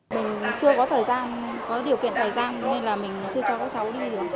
mình chưa có thời gian có điều kiện thời gian nên là mình chưa cho các cháu đi được